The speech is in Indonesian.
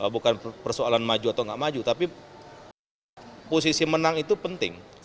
bukan persoalan maju atau nggak maju tapi posisi menang itu penting